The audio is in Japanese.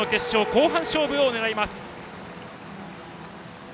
後半勝負を狙います。